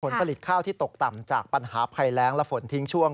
ผลผลิตข้าวที่ตกต่ำจากปัญหาภัยแรงและฝนทิ้งช่วง